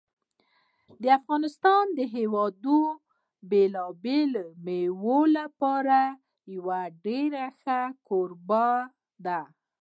د افغانستان هېواد د بېلابېلو مېوو لپاره یو ډېر ښه کوربه دی.